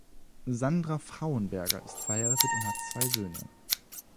Sandra Frauenberger ist verheiratet und hat zwei Söhne.